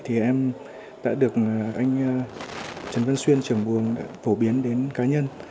thì em đã được anh trần văn xuyên trưởng buồng đã phổ biến đến cá nhân